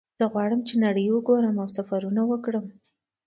زه غواړم چې نړۍ وګورم او سفرونه وکړم